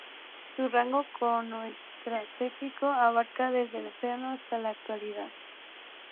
Su rango cronoestratigráfico abarcaba desde el Eoceno hasta la Actualidad.